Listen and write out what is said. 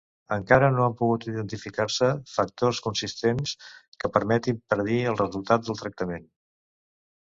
Encara no han pogut identificar-se factors consistents que permetin predir el resultat del tractament.